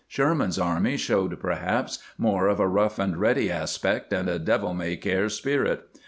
Sherman's army showed, perhaps, more of a rough and ready aspect and a devil may care spirit.